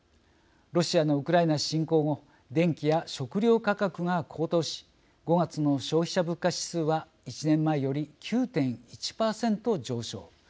ロシアのウクライナ侵攻後電気や食料価格が高騰し５月の消費者物価指数は１年前より９．１％上昇。